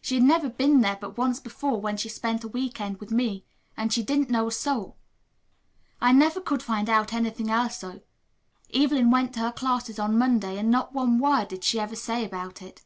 She'd never been there but once before when she spent a week end with me, and she didn't know a soul. I never could find out anything else, though. Evelyn went to her classes on Monday, and not one word did she ever say about it.